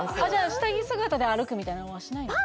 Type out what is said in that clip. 下着姿で歩くみたいなのはしないんです？